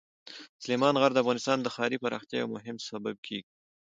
سلیمان غر د افغانستان د ښاري پراختیا یو مهم سبب کېږي.